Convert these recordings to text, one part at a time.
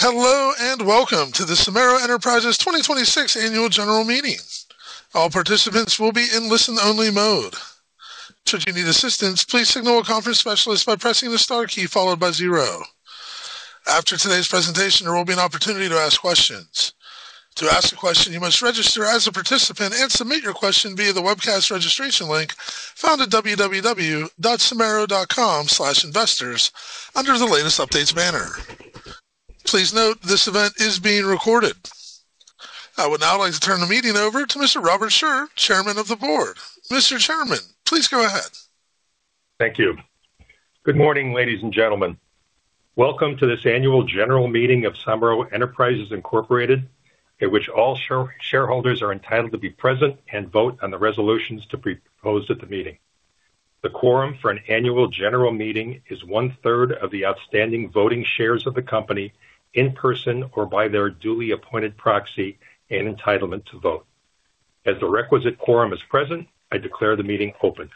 Hello, welcome to the Somero Enterprises 2026 Annual General Meeting. All participants will be in listen only mode. Should you need assistance, please signal a conference specialist by pressing the star key followed by zero. After today's presentation, there will be an opportunity to ask questions. To ask a question, you must register as a participant and submit your question via the webcast registration link found at www.somero.com/investors under the Latest Updates banner. Please note, this event is being recorded. I would now like to turn the meeting over to Mr. Robert Scheuer, Chairman of the Board. Mr. Chairman, please go ahead. Thank you. Good morning, ladies and gentlemen. Welcome to this Annual General Meeting of Somero Enterprises, Inc., at which all shareholders are entitled to be present and vote on the resolutions to be proposed at the meeting. The quorum for an Annual General Meeting is one third of the outstanding voting shares of the company, in person or by their duly appointed proxy and entitlement to vote. As the requisite quorum is present, I declare the meeting open.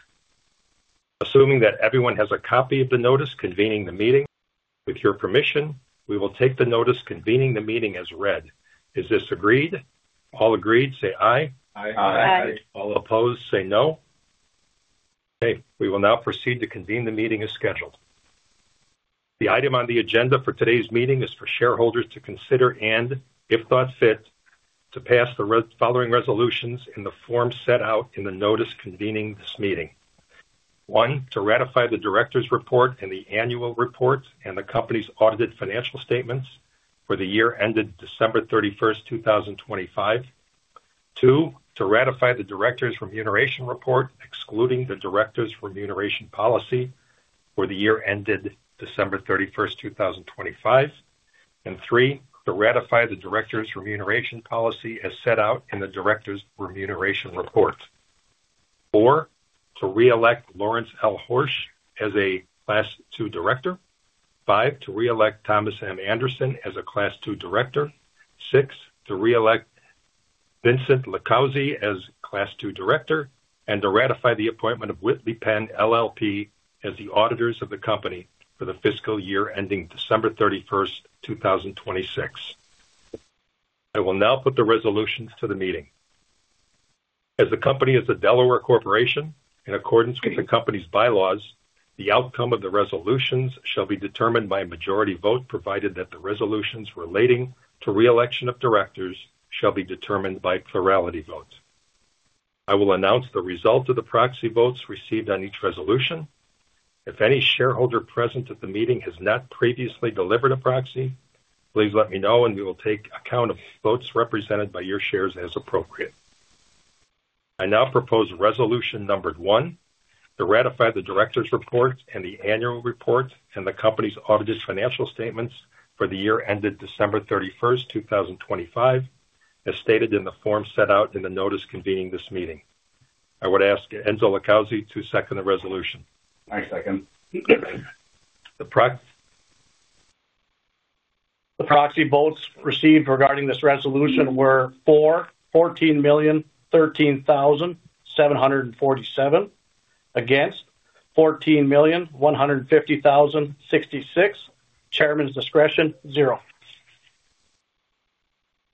Assuming that everyone has a copy of the notice convening the meeting, with your permission, we will take the notice convening the meeting as read. Is this agreed? All agreed, say aye. Aye. All opposed, say no. Okay, we will now proceed to convene the meeting as scheduled. The item on the agenda for today's meeting is for shareholders to consider, if thought fit, to pass the following resolutions in the form set out in the notice convening this meeting. One, to ratify the directors' report and the annual report and the company's audited financial statements for the year ended December 31st, 2025. Two, to ratify the directors' remuneration report, excluding the directors' remuneration policy for the year ended December 31st, 2025. Three, to ratify the directors' remuneration policy as set out in the directors' remuneration report. Four, to reelect Lawrence L. Horsch as a class II director. Five, to reelect Thomas M. Anderson as a class II director. Six, to reelect Vincenzo LiCausi as class II director, to ratify the appointment of Whitley Penn LLP as the auditors of the company for the fiscal year ending December 31st, 2026. I will now put the resolutions to the meeting. As the company is a Delaware corporation, in accordance with the company's bylaws, the outcome of the resolutions shall be determined by a majority vote, provided that the resolutions relating to reelection of directors shall be determined by plurality vote. I will announce the result of the proxy votes received on each resolution. If any shareholder present at the meeting has not previously delivered a proxy, please let me know and we will take account of votes represented by your shares as appropriate. I now propose resolution number one: to ratify the directors' report and the annual report and the company's audited financial statements for the year ended December 31st, 2025, as stated in the form set out in the notice convening this meeting. I would ask Enzo LiCausi to second the resolution. I second. The proxy votes received regarding this resolution were for, 14,013,747. Against, 14,150,066. Chairman's discretion, zero.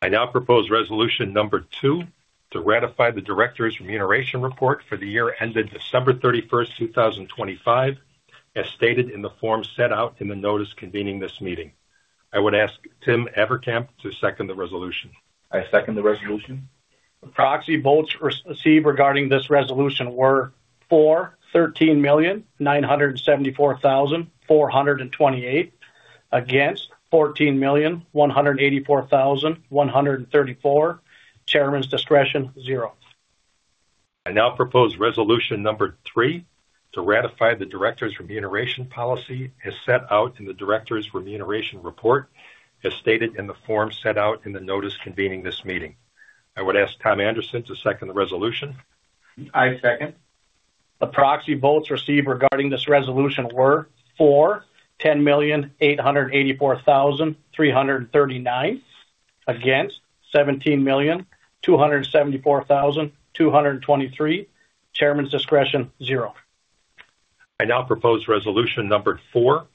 I now propose resolution number two: to ratify the directors' remuneration report for the year ended December 31st, 2025, as stated in the form set out in the notice convening this meeting. I would ask Tim Averkamp to second the resolution. I second the resolution. The proxy votes received regarding this resolution were for, 13,974,428. Against, 14,184,134. Chairman's discretion, zero. I now propose resolution number three: to ratify the directors' remuneration policy as set out in the directors' remuneration report, as stated in the form set out in the notice convening this meeting. I would ask Tom Anderson to second the resolution. I second. The proxy votes received regarding this resolution were for, 10,884,339. Against, 17,274,223. Chairman's discretion, zero. I now propose resolution number four: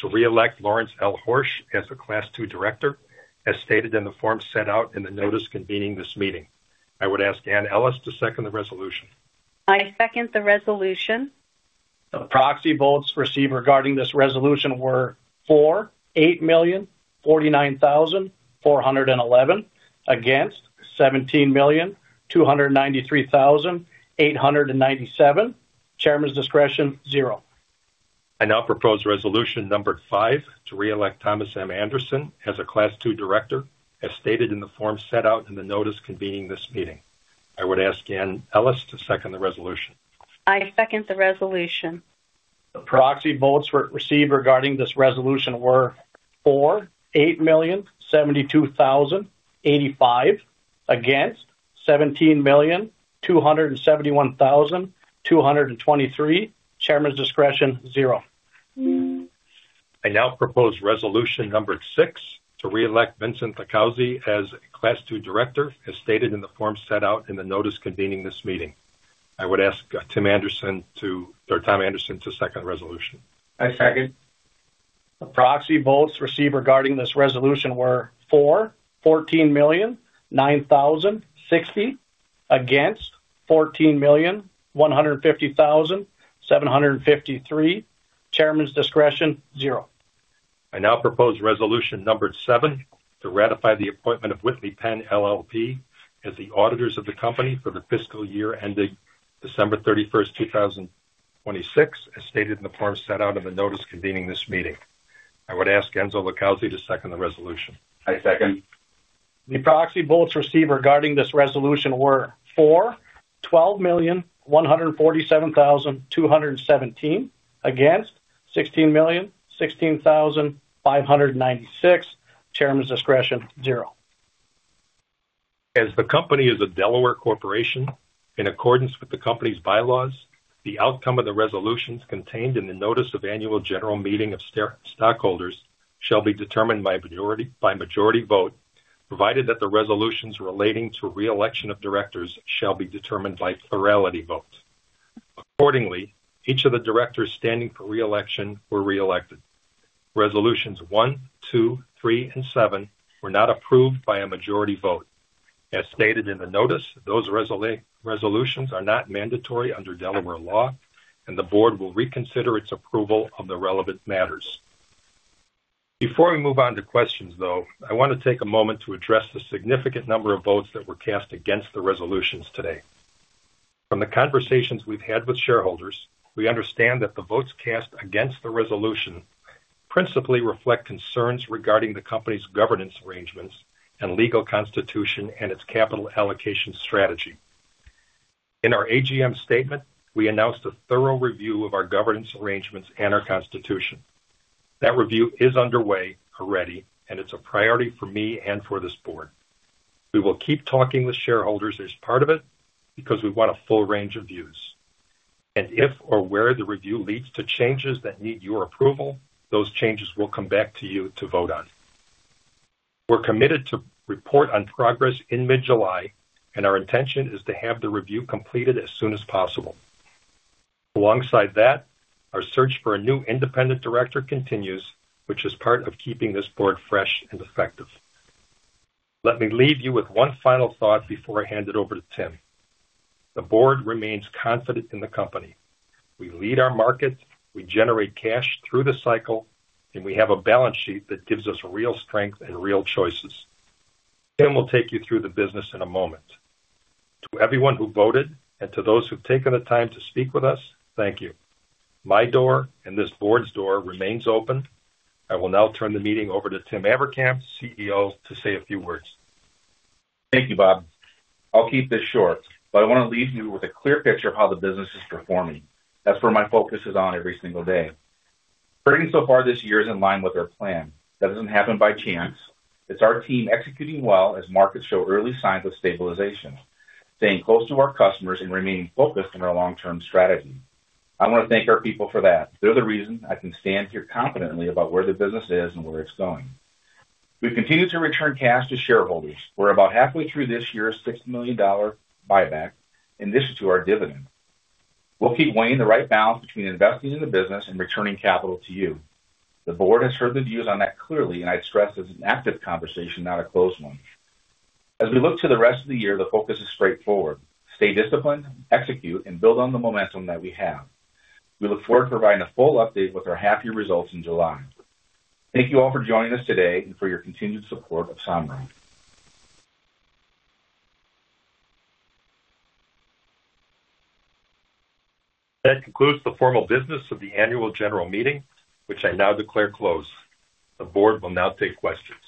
to reelect Lawrence L. Horsch as a class II director, as stated in the form set out in the notice convening this meeting. I would ask Anne Ellis to second the resolution. I second the resolution. The proxy votes received regarding this resolution were for 8,049,411. Against 17,293,897. Chairman's discretion, zero. I now propose resolution number five: to reelect Thomas M. Anderson as a class II director, as stated in the form set out in the notice convening this meeting. I would ask Anne Ellis to second the resolution. I second the resolution. The proxy votes received regarding this resolution were for 8,072,085. Against 17,271,223. Chairman's discretion, zero. I now propose resolution number six: to reelect Vincenzo LiCausi as class II director, as stated in the form set out in the notice convening this meeting. I would ask Tom Anderson to second the resolution. I second. The proxy votes received regarding this resolution were for, 14,009,060, against, 14,150,753, chairman's discretion, zero. I now propose resolution number seven to ratify the appointment of Whitley Penn LLP as the auditors of the company for the fiscal year ending December 31st, 2026, as stated in the form set out in the notice convening this meeting. I would ask Enzo LiCausi to second the resolution. I second. The proxy votes received regarding this resolution were for, 12,147,217, against, 16,016,596, chairman's discretion, zero. As the company is a Delaware corporation, in accordance with the company's bylaws, the outcome of the resolutions contained in the notice of Annual General Meeting of stockholders shall be determined by majority vote, provided that the resolutions relating to reelection of directors shall be determined by plurality vote. Accordingly, each of the directors standing for reelection were reelected. Resolutions one, two, three, and seven were not approved by a majority vote. As stated in the notice, those resolutions are not mandatory under Delaware law, and the board will reconsider its approval on the relevant matters. Before we move on to questions though, I want to take a moment to address the significant number of votes that were cast against the resolutions today. From the conversations we've had with shareholders, we understand that the votes cast against the resolution principally reflect concerns regarding the company's governance arrangements and legal constitution and its capital allocation strategy. In our AGM statement, we announced a thorough review of our governance arrangements and our constitution. That review is underway already, and it's a priority for me and for this board. We will keep talking with shareholders as part of it because we want a full range of views. If or where the review leads to changes that need your approval, those changes will come back to you to vote on. We're committed to report on progress in mid-July, and our intention is to have the review completed as soon as possible. Alongside that, our search for a new independent director continues, which is part of keeping this board fresh and effective. Let me leave you with one final thought before I hand it over to Tim. The board remains confident in the company. We lead our markets, we generate cash through the cycle, and we have a balance sheet that gives us real strength and real choices. Tim will take you through the business in a moment. To everyone who voted and to those who've taken the time to speak with us, thank you. My door and this board's door remains open. I will now turn the meeting over to Tim Averkamp, CEO, to say a few words. Thank you, Bob. I'll keep this short, but I want to leave you with a clear picture of how the business is performing. That's where my focus is on every single day. Trading so far this year is in line with our plan. That doesn't happen by chance. It's our team executing well as markets show early signs of stabilization, staying close to our customers, and remaining focused on our long-term strategy. I want to thank our people for that. They're the reason I can stand here confidently about where the business is and where it's going. We've continued to return cash to shareholders. We're about halfway through this year's $60 million buyback in addition to our dividend. We'll keep weighing the right balance between investing in the business and returning capital to you. The board has heard the views on that clearly, I'd stress it's an active conversation, not a closed one. As we look to the rest of the year, the focus is straightforward. Stay disciplined, execute, and build on the momentum that we have. We look forward to providing a full update with our half-year results in July. Thank you all for joining us today and for your continued support of Somero. That concludes the formal business of the Annual General Meeting, which I now declare closed. The board will now take questions.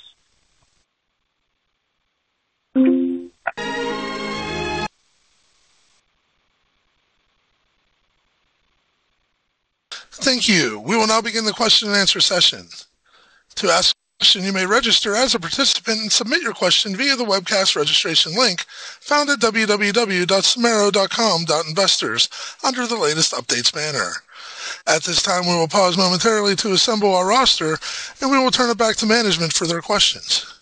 Thank you. We will now begin the question and answer session. To ask a question you may register as a participant and submit your question via the webcast registration link found at www.somero.com.investors under the Latest Updates banner. At this time, we will pause momentarily to assemble our roster, we will turn it back to management for their questions.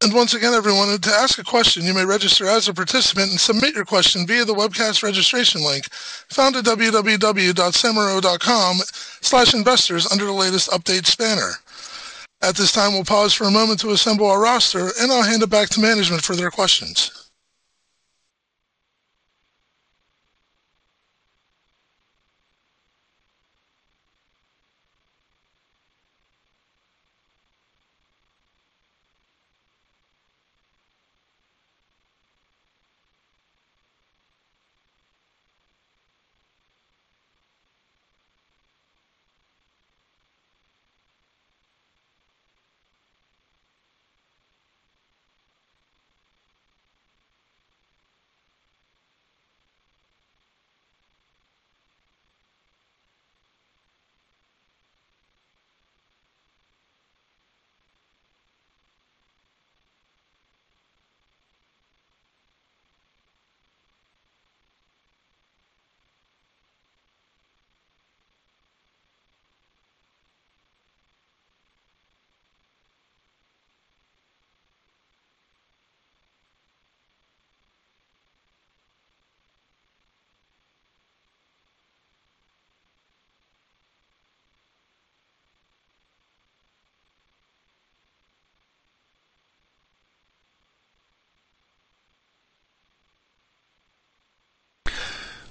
Okay. That's not bad funeral music. Once again, everyone, to ask a question, you may register as a participant and submit your question via the webcast registration link found at www.somero.com/investors under the Latest Updates banner. At this time, we'll pause for a moment to assemble our roster, and I'll hand it back to management for their questions.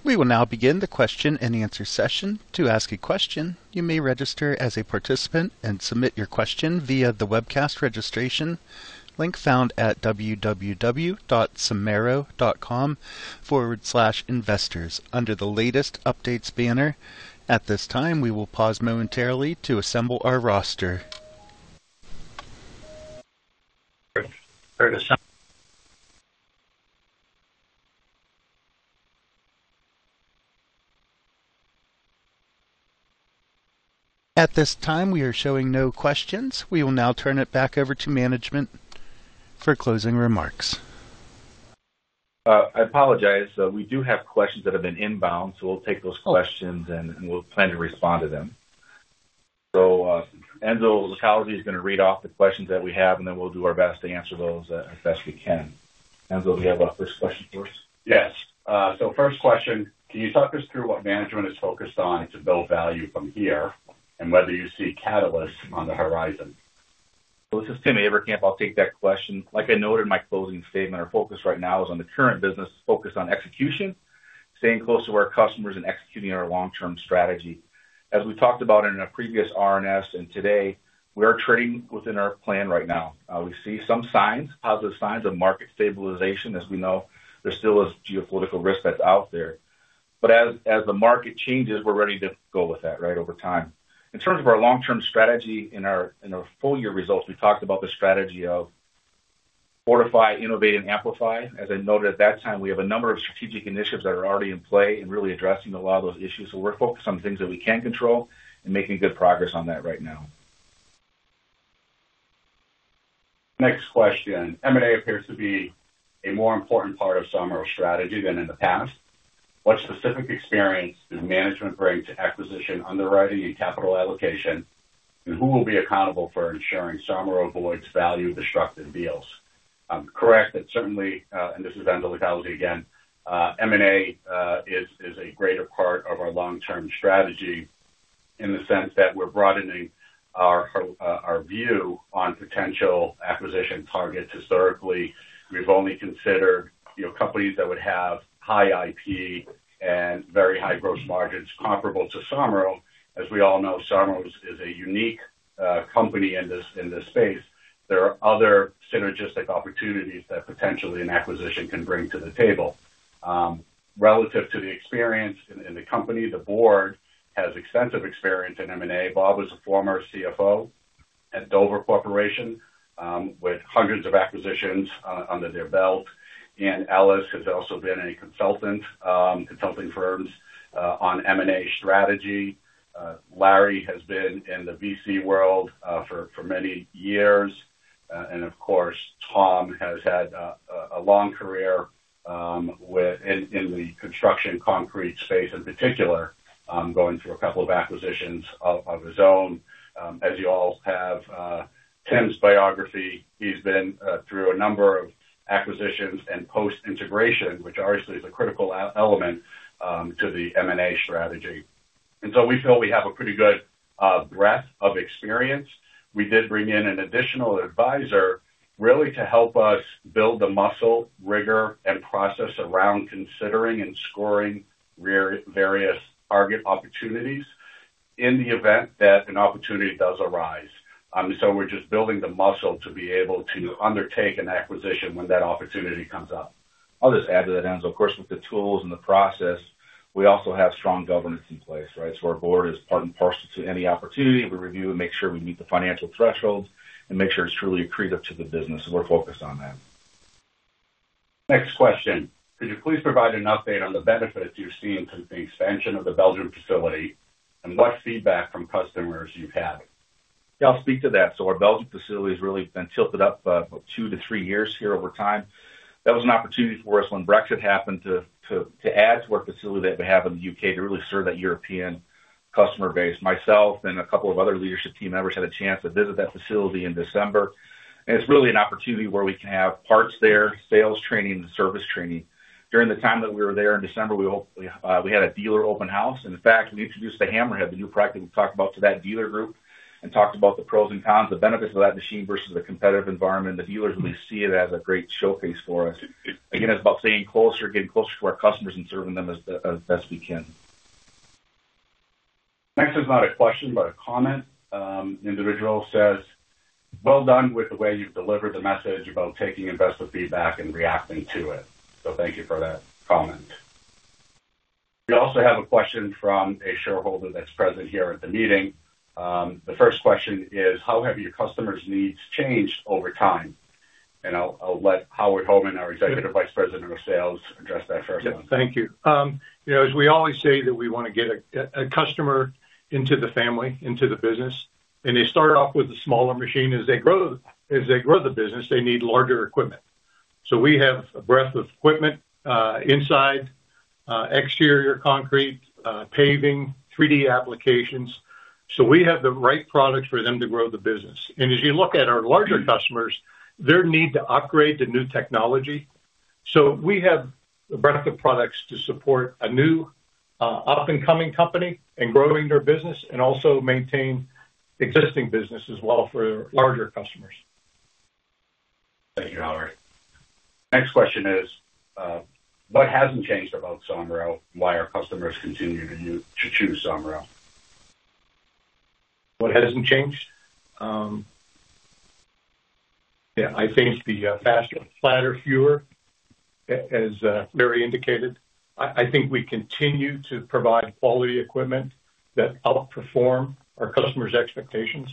We will now begin the question and answer session. To ask a question, you may register as a participant and submit your question via the webcast registration link found at www.somero.com/investors under the Latest Updates banner. At this time, we will pause momentarily to assemble our roster. At this time, we are showing no questions. We will now turn it back over to management for closing remarks. I apologize. We do have questions that have been inbound, we'll take those questions, we'll plan to respond to them. Enzo LiCausi is going to read off the questions that we have, then we'll do our best to answer those as best we can. Enzo, do we have our first question for us? Yes. First question, can you talk us through what management is focused on to build value from here and whether you see catalysts on the horizon? This is Tim Averkamp. I'll take that question. I noted in my closing statement, our focus right now is on the current business, focus on execution, staying close to our customers, and executing our long-term strategy. As we talked about in our previous RNS and today, we are trading within our plan right now. We see some signs, positive signs of market stabilization. As we know, there still is geopolitical risk that's out there. As the market changes, we're ready to go with that right over time. In terms of our long-term strategy, in our full-year results, we talked about the strategy of fortify, innovate, and amplify. As I noted at that time, we have a number of strategic initiatives that are already in play and really addressing a lot of those issues. We're focused on things that we can control and making good progress on that right now. Next question. M&A appears to be a more important part of Somero's strategy than in the past. What specific experience does management bring to acquisition underwriting and capital allocation, and who will be accountable for ensuring Somero avoids value-destructive deals? Correct. That's certainly, and this is Enzo LiCausi again. M&A is a greater part of our long-term strategy in the sense that we're broadening our view on potential acquisition targets. Historically, we've only considered companies that would have high IP and very high gross margins comparable to Somero. As we all know, Somero is a unique company in this space. There are other synergistic opportunities that potentially an acquisition can bring to the table. Relative to the experience in the company, the board has extensive experience in M&A. Bob was a former CFO at Dover Corporation, with hundreds of acquisitions under their belt. Anne Ellis has also been a consultant, consulting firms on M&A strategy. Larry has been in the VC world for many years, and of course, Tom has had a long career in the construction concrete space in particular, going through a couple of acquisitions of his own. As you all have Tim's biography, he's been through a number of acquisitions and post-integration, which obviously is a critical element to the M&A strategy. We feel we have a pretty good breadth of experience. We did bring in an additional advisor really to help us build the muscle, rigor, and process around considering and scoring various target opportunities in the event that an opportunity does arise. We're just building the muscle to be able to undertake an acquisition when that opportunity comes up. I'll just add to that, Enzo. Of course, with the tools and the process, we also have strong governance in place, right? Our board is part and parcel to any opportunity we review and make sure we meet the financial thresholds and make sure it's truly accretive to the business. We're focused on that. Next question. Could you please provide an update on the benefits you're seeing from the expansion of the Belgium facility and what feedback from customers you've had? Yeah, I'll speak to that. Our Belgium facility has really been tilted up for two to three years here over time. That was an opportunity for us when Brexit happened to add to our facility that we have in the U.K. to really serve that European customer base. Myself and a couple of other leadership team members had a chance to visit that facility in December, and it's really an opportunity where we can have parts there, sales training, and service training. During the time that we were there in December, we had a dealer open house, and in fact, we introduced the Hammerhead, the new product that we talked about to that dealer group and talked about the pros and cons, the benefits of that machine versus the competitive environment. The dealers really see it as a great showcase for us. Again, it's about staying closer, getting closer to our customers and serving them as best we can. Next is not a question, but a comment. Individual says, "Well done with the way you've delivered the message about taking investor feedback and reacting to it." Thank you for that comment. We also have a question from a shareholder that's present here at the meeting. The first question is, how have your customers' needs changed over time? I'll let Howard Hohmann, our Executive Vice President of Sales, address that first one. Yeah. Thank you. As we always say that we want to get a customer into the family, into the business, and they start off with a smaller machine. As they grow the business, they need larger equipment. We have a breadth of equipment, inside, exterior concrete, paving, 3D applications. We have the right product for them to grow the business. As you look at our larger customers, their need to upgrade to new technology. We have a breadth of products to support a new, up and coming company and growing their business and also maintain existing business as well for larger customers. Thank you, Howard. Next question is, what hasn't changed about Somero? Why our customers continue to choose Somero? What hasn't changed? Yeah, I think it's the FASTER. FLATTER. FEWER.®, as Mary indicated. I think we continue to provide quality equipment that outperform our customers' expectations.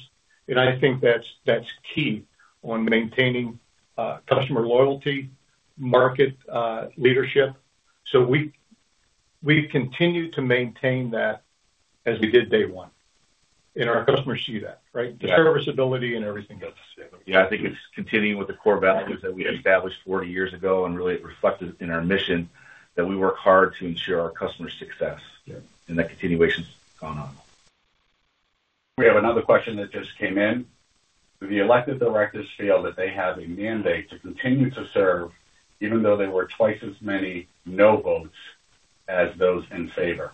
I think that's key on maintaining customer loyalty, market leadership. We've continued to maintain that as we did day one, and our customers see that, right? The serviceability and everything else. Yeah. I think it's continuing with the core values that we established 40 years ago and really it reflected in our mission that we work hard to ensure our customers' success. Yeah. That continuation's gone on. We have another question that just came in. Do the elected directors feel that they have a mandate to continue to serve, even though there were twice as many no votes as those in favor?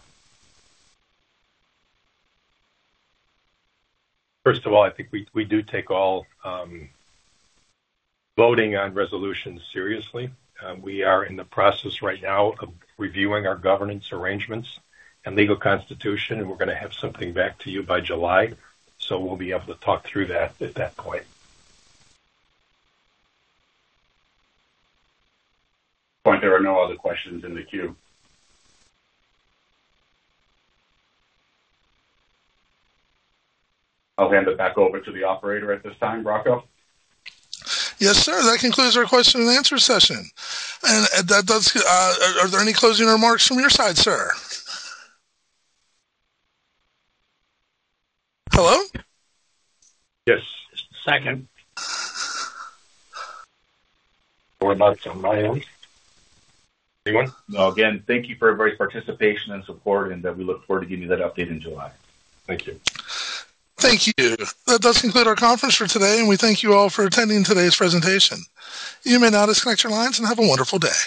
First of all, I think we do take all voting on resolutions seriously. We are in the process right now of reviewing our governance arrangements and legal constitution, and we're going to have something back to you by July. We'll be able to talk through that at that point. At this point, there are no other questions in the queue. I'll hand it back over to the operator at this time. Rocco? Yes, sir. That concludes our question and answer session. Are there any closing remarks from your side, sir? Hello? Yes. Just a second. No remarks on my end. Anyone? No. Again, thank you for everybody's participation and support, and that we look forward to giving you that update in July. Thank you. Thank you. That does conclude our conference for today, and we thank you all for attending today's presentation. You may now disconnect your lines and have a wonderful day.